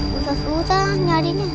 susah susah lah nyariinnya